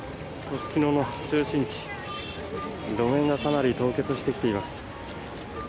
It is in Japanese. すすきのの中心地、路面がかなり凍結してきています。